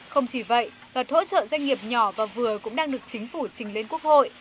không chỉ vậy luật hỗ trợ doanh nghiệp nhỏ và vừa cũng đang được chính phủ trình lên quốc hội